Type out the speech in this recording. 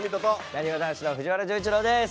なにわ男子の藤原丈一郎です。